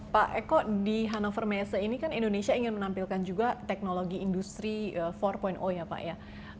pak eko di hannover messe ini kan indonesia ingin menampilkan juga teknologi industri empat ya pak ya